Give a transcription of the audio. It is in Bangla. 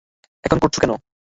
এখন করছো কেন?